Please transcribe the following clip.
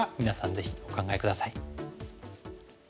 ぜひお考え下さい。